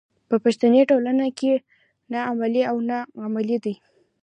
په پښتني ټولنه کې نه عملي او نه علمي دی.